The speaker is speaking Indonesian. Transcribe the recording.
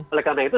oleh karena itu